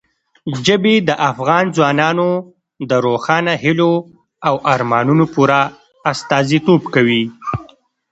ژبې د افغان ځوانانو د روښانه هیلو او ارمانونو پوره استازیتوب کوي.